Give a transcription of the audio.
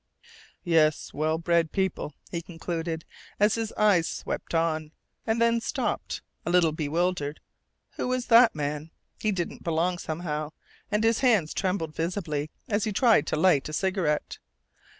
"Yes, well bred people," he concluded, as his eyes swept on, and then stopped, a little bewildered. Who was that man? He didn't belong somehow, and his hands trembled visibly as he tried to light a cigarette.